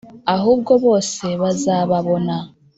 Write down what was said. Ahubwo bose bazababona.